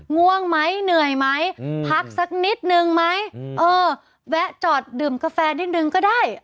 ง่วงไหมเหนื่อยไหมพักสักนิดนึงไหมเออแวะจอดดื่มกาแฟนิดนึงก็ได้